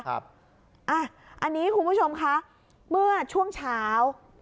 อันนี้คุณผู้ชมคะเมื่อช่วงเช้า